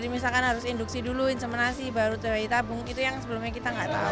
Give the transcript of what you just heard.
misalkan harus induksi dulu inseminasi baru bayi tabung itu yang sebelumnya kita nggak tahu